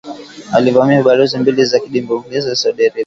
walivamia balozi mbili za kidiplomasia za Saudi Arabia